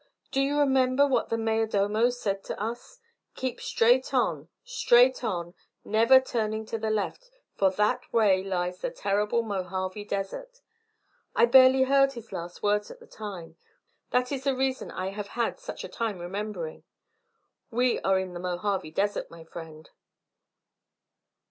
"Do you remember what that mayor domo said to us? Keep straight on, straight on, never turning to the left, for that way lies the terrible Mojave desert, I barely heard his last words at the time; that is the reason I have had such a time remembering. We are in the Mojave desert, my friend."